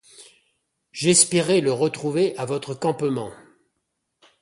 J’espérais le retrouver à votre campement!